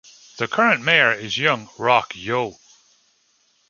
The current mayor is Young-Rok, Yoo.